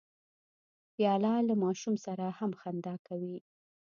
پیاله له ماشوم سره هم خندا کوي.